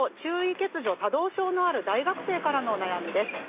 ・多動症のある大学生からのお悩みです。